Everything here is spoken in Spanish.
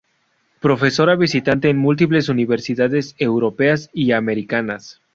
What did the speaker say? Profesora visitante en múltiples universidades europeas y americanas.